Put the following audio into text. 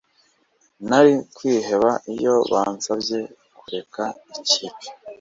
nari kwiheba iyo bansabye kureka ikipe